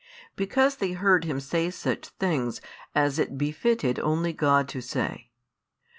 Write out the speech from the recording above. Because they heard Him say such things as it befitted only God to say.